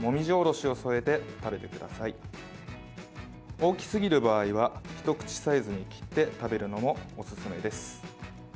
大きすぎる場合は一口サイズに切って食べるのも、おすすめです。